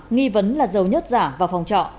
nghi vấn là dầu nhớt giả và phòng trọ